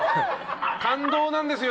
感動なんですよ